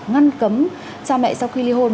ngăn cấm cha mẹ sau khi ly hôn